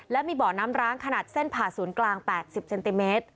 และมีบ่อน้ำร้างขนาดเส้นผ่าศูนย์กลาง๘๐เซนติเมตร